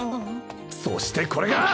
そしてこれが！